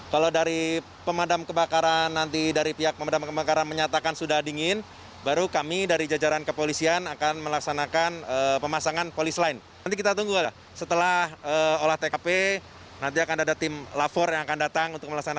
terkait penyebab kebakaran